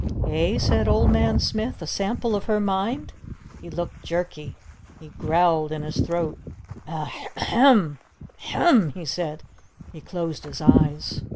"Eh?" said Old Man Smith. "A sample of her mind?" He looked jerky. He growled in his throat. "A hem A hem," he said. He closed his eyes.